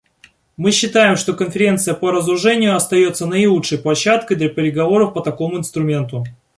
Мы считаем, что Конференция по разоружению остается наилучшей площадкой для переговоров по такому инструменту.